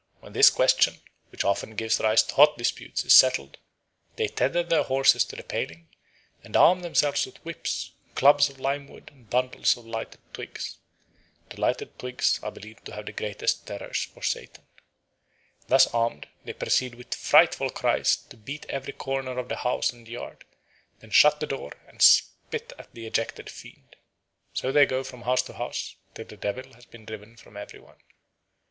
When this question, which often gives rise to hot disputes, is settled, they tether their horses to the paling, and arm themselves with whips, clubs of lime wood and bundles of lighted twigs. The lighted twigs are believed to have the greatest terrors for Satan. Thus armed, they proceed with frightful cries to beat every corner of the house and yard, then shut the door, and spit at the ejected fiend. So they go from house to house, till the Devil has been driven from every one.